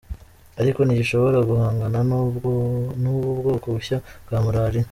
Ariko ntigishobora guhangana n’ubu bwoko bushya bwa Malariya.